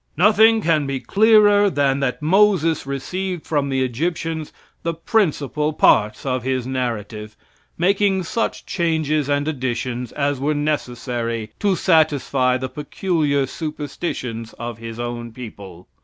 Nothing can be clearer than that Moses received from the Egyptians the principal parts of his narrative, making such changes and additions as were necessary to satisfy the peculiar superstitions of his own people.